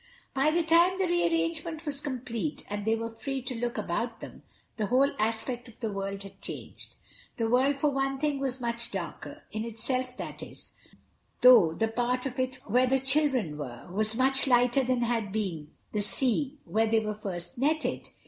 By the time the rearrangement was complete, and they were free to look about them, the whole aspect of the world had changed. The world, for one thing, was much darker, in itself that is, though the part of it where the children were was much lighter than had been the sea where they were first netted.